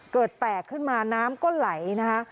แตกขึ้นมาน้ำก็ไหลนะคะ